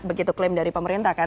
begitu klaim dari pemerintah kan